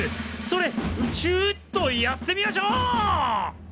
それうちゅっとやってみましょう！